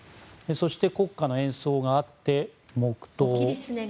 そして国歌の演奏があって黙祷。